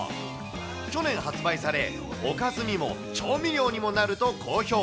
去年発売され、おかずにも調味料にもなると好評。